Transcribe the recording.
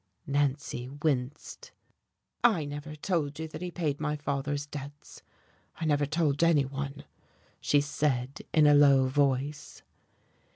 Nancy winced. "I never told you that he paid my father's debts, I never told anyone," she said, in a low voice.